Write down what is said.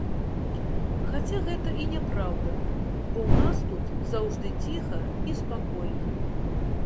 Хаця гэта і няпраўда, бо ў нас тут заўжды ціха і спакойна.